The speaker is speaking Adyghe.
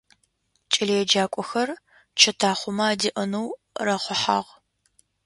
Кӏэлэеджакӏохэр чэтахъомэ адеӏэнэу рахъухьагъ.